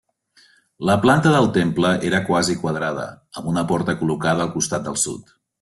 La planta del temple era quasi quadrada amb una porta col·locada al costat del sud.